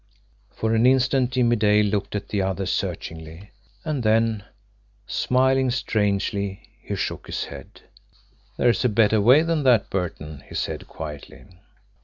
For an instant Jimmie Dale looked at the other searchingly, and then, smiling strangely, he shook his head. "There's a better way than that, Burton," he said quietly.